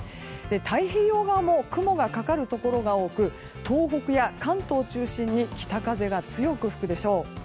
太平洋側も雲がかかるところが多く東北や関東を中心に北風が強く吹くでしょう。